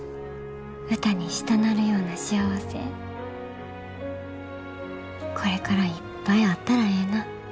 歌にしたなるような幸せこれからいっぱいあったらええな。